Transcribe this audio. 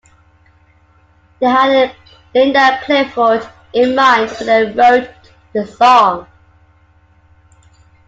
They had Linda Clifford in mind when they wrote the song.